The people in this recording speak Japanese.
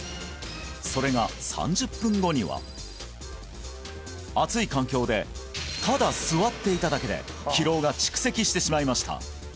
それが３０分後には暑い環境でただ座っていただけで疲労が蓄積してしまいました